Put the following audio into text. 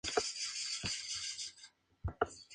Por su parte, Olivia da a luz una pequeña a la que llama Perla.